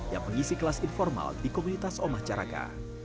yang mengisi kelas informal di komunitas omah caraka